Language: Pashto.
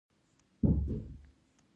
لویه برخه لرونکي پانګوال هر څه کنټرولوي